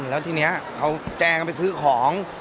แล้วทีนี้เขาแกกำลังไปซื้อของ